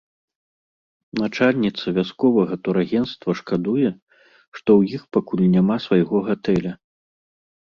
Начальніца вясковага турагенцтва шкадуе, што ў іх пакуль няма свайго гатэля.